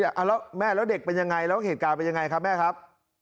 แล้วแม่แล้วเด็กเป็นยังไงแล้วเหตุการณ์เป็นยังไงครับแม่ครับ